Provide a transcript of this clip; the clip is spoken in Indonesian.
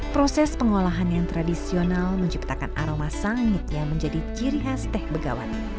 proses pengolahan yang tradisional menciptakan aroma sangit yang menjadi ciri khas teh begawati